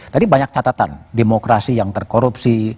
tadi banyak catatan demokrasi yang terkorupsi